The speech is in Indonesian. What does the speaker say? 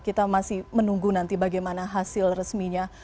kita masih menunggu nanti bagaimana hasil resminya